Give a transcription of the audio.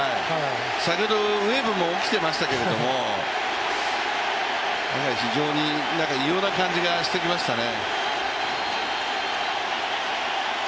先ほどウエーブも起きていましたけど非常に異様な感じがしてきましたね。